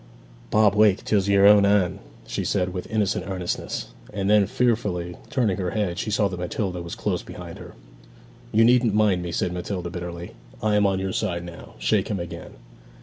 'Bob, wake; 'tis your own Anne!' she said, with innocent earnestness; and then, fearfully turning her head, she saw that Matilda was close behind her. 'You needn't mind me,' said Matilda bitterly. 'I am on your side now. Shake him again.'